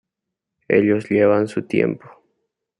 Ellos llevan su tiempo.